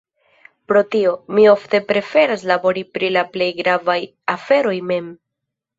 Pro tio, mi ofte preferas labori pri la plej gravaj aferoj mem.